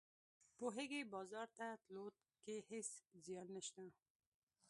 پوهیږې بازار ته تلو کې هیڅ زیان نشته